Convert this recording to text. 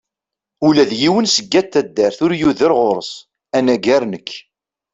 Ula d yiwen seg at taddart ur yuder ɣur-s, anagar nekk.